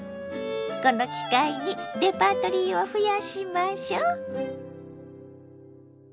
この機会にレパートリーを増やしましょ。